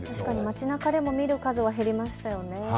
街なかでも見る数は減りましたよね。